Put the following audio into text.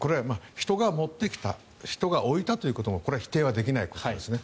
人が持ってきた人が置いたということもこれは否定はできないと思いますね。